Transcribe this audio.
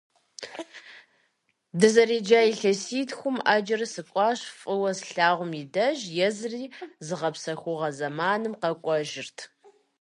Дызэреджа илъэситхум Ӏэджэрэ сыкӀуащ фӀыуэ слъагъум и деж, езыри зыгъэпсэхугъуэ зэманым къэкӀуэжырт.